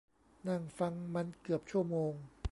นั่งฟังมันเกือบชั่วโมง